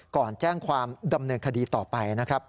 ก่อนแจ้งความดำเนินคดีต่อไปนะครับ